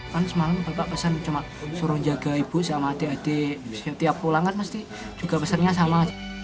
kan semalam bapak pesan cuma suruh jaga ibu sama adik adik setiap pulang kan pasti juga pesannya sama